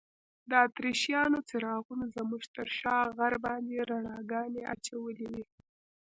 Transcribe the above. د اتریشیانو څراغونو زموږ تر شا غر باندې رڼاګانې اچولي وې.